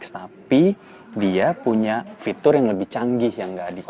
tapi dia punya fitur yang lebih canggih yang gak dikenal